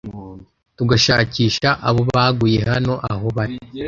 tugashakisha abo baguye hano aho bari